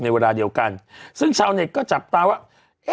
เวลาเดียวกันซึ่งชาวเน็ตก็จับตาว่า